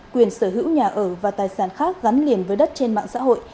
quyền sở hữu nhà ở và tài sản khác gắn liền với đất trên mạng xã hội